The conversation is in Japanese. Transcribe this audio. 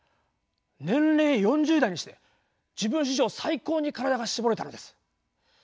年齢４０代にして自分史上最高に身体が絞れたのです。